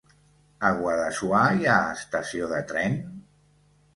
A Guadassuar hi ha estació de tren?